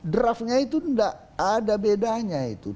draftnya itu tidak ada bedanya itu